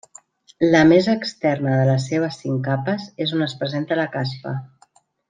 La més externa de les seves cinc capes és on es presenta la caspa.